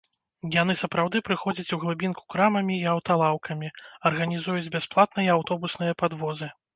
Яны сапраўды прыходзяць у глыбінку крамамі і аўталаўкамі, арганізуюць бясплатныя аўтобусныя падвозы.